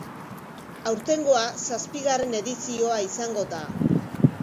Aurtengoa, zazpigarren edizioa izango da.